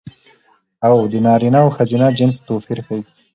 او د نرينه او ښځينه جنس توپير ښيي